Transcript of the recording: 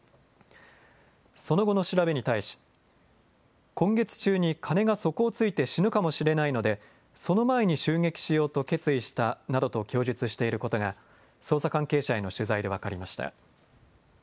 その後の調べに対し今月中に金が底をついて死ぬかもしれないのでその前に襲撃しようと決意したなどと供述していることが捜査関係者への取材で分かりました。